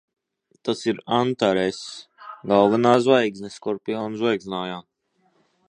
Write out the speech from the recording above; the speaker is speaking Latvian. Tas ir Antaress. Galvenā zvaigzne Skorpiona zvaigznājā.